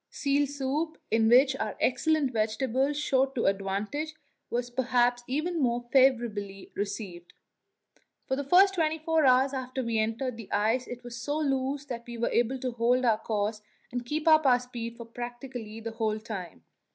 Seal soup, in which our excellent vegetables showed to advantage, was perhaps even more favourably received. For the first twenty four hours after we entered the ice it was so loose that we were able to hold our course and keep up our speed for practically the whole time.